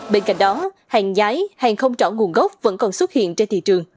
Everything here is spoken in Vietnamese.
bên cạnh đó hàng giái hàng không trỏ nguồn gốc vẫn còn xuất hiện trên thị trường